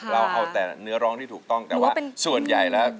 เราเอาแต่เนื้อร้องที่ถูกต้องแต่ว่าส่วนใหญ่แล้ว